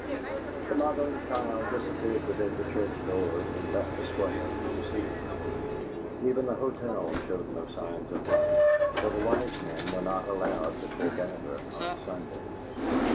The mother and child disappeared within the church doors and left the Square to the two. Even the hotel showed no signs of life, for the wise men were not allowed to foregather on Sundays.